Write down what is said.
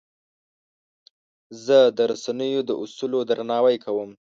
زه د رسنیو د اصولو درناوی کوم.